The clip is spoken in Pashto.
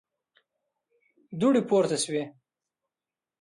دوړې پورته شوې.